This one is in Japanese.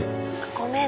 ごめん。